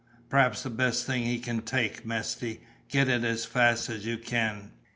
"Perhaps the best thing he can take, Mesty; get it as fast as you can."